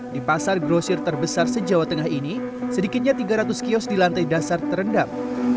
di pasar grosir terbesar se jawa tengah ini sedikitnya tiga ratus kios di lantai dasar terendam